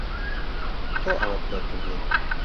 تۆ ئەوەت فێر کردین.